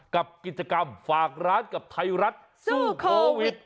กับกิจกรรมฝากร้านกับไทยรัฐสู้โควิด